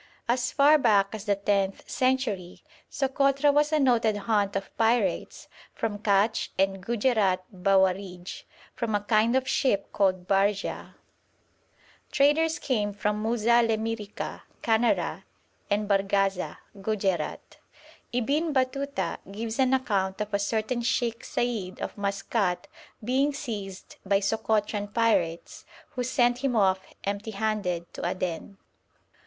As far back as the tenth century Sokotra was a noted haunt of pirates from Katch and Gujerat Bawarij, from a kind of ship called barja. Traders came from Muza Lemyrica (Canara) and Barggaza (Gujerat). Ibn Batuta gives an account of a certain Sheikh Said of Maskat being seized by Sokotran pirates, who sent him off empty handed to Aden.